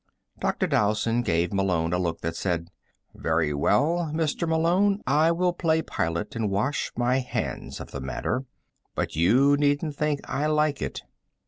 Dr. Dowson gave Malone a look that said: "Very well, Mr. Malone; I will play Pilate and wash my hands of the matter but you needn't think I like it."